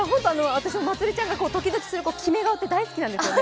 私もまつりちゃんが時々する決め顔、大好きなんですよね。